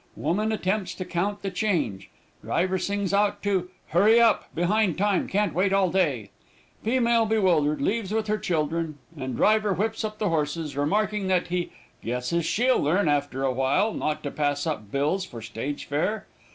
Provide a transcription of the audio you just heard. Woman attempts to count the change. Driver sings out to 'Hurry up behind time can't wait all day.' Female bewildered, leaves with her children, and driver whips up the horses, remarking that he 'guesses she'll learn, after a while, not to pass up bills for stage fare.'